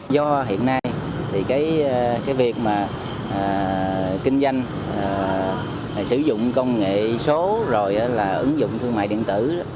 do hiện nay thì cái việc mà kinh doanh sử dụng công nghệ số rồi là ứng dụng thương mại điện tử đó